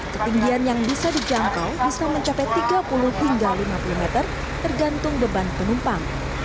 ketinggian yang bisa dijangkau bisa mencapai tiga puluh hingga lima puluh meter tergantung beban penumpang